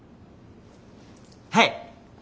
はい。